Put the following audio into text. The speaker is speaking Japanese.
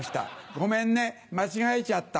ごめんね間違えちゃった。